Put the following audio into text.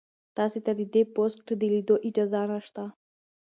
تاسي ته د دې پوسټ د لیدو اجازه نشته.